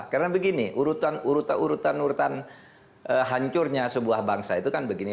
karena begini urutan urutan hancurnya sebuah bangsa itu kan begini